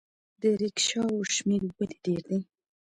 د ریکشاوو شمیر ولې ډیر دی؟